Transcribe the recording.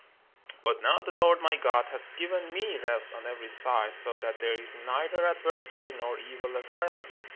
But now the Lord my God hath given me rest on every side, so that there is neither adversary nor evil occurrent.